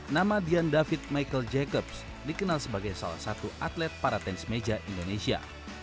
nama dian david michael jacobs dikenal sebagai salah satu atlet para tenis meja indonesia